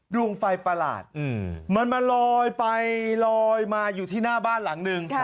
ดวงไฟประหลาดมันมาลอยไปลอยมาอยู่ที่หน้าบ้านหลังหนึ่ง